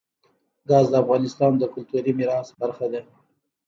ګاز د افغانستان د کلتوري میراث برخه ده.